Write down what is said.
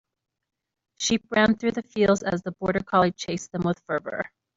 Sheep ran through the fields as the border collie chased them with fervor.